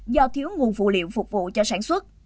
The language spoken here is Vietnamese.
do thiếu nguồn phụ liệu phục vụ cho sản xuất